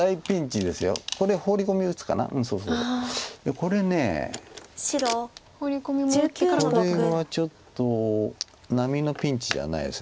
これはちょっと並のピンチじゃないです。